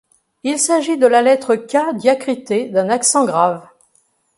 Il s’agit de la lettre K diacritée d'un accent grave.